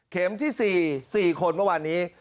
ที่๔๔คนเมื่อวานนี้